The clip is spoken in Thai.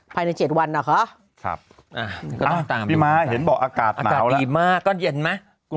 ภายใน๗วันนะคะพี่ม้าเห็นบอกอากาศอากาศดีมากก็เย็นไหม